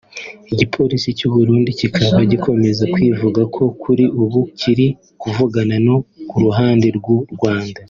Igipolisi cy’u Burundi kikaba gikomeza kivuga ko kuri ubu kiri kuvugana no ku ruhande rw’u Rwanda